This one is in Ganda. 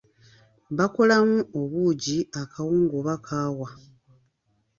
Bakolamu obuugi, akawunga oba kaawa.